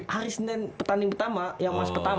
harus nen petanding pertama yang emas pertama